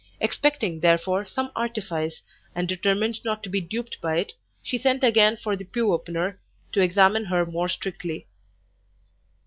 Expecting, therefore, some artifice, and determined not to be duped by it, she sent again for the Pew opener, to examine her more strictly.